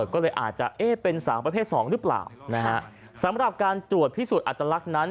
ก็เลยอาจจะเอ๊ะเป็นสาวประเภทสองหรือเปล่านะฮะสำหรับการตรวจพิสูจน์อัตลักษณ์นั้น